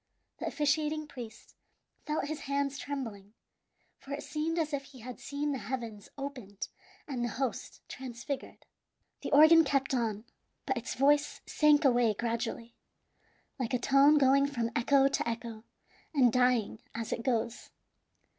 The officiating priest felt his hands trembling; for it seemed as if he had seen the heavens opened and the host transfigured. The organ kept on, but its voice sank away gradually, like a tone going from echo to echo, and dying as it goes.